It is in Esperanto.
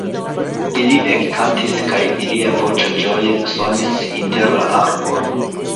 Ili ekkantis, kaj ilia voĉo ĝoje sonis inter la arboj.